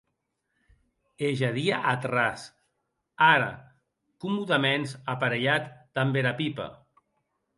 E jadie ath ras, ara, comòdaments aparelhat damb era pipa.